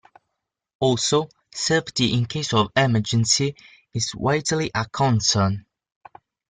Also, safety in case of emergency is widely a concern.